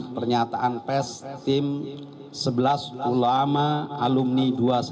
pernyataan pes tim sebelas ulama alumni dua ratus dua belas